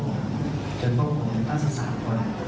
ถึงพวกคุณตั้งสัก๓คนรอดชีวิตออกมาได้